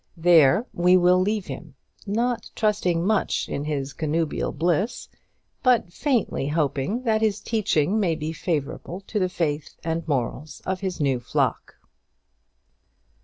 There we will leave him, not trusting much in his connubial bliss, but faintly hoping that his teaching may be favourable to the faith and morals of his new flock.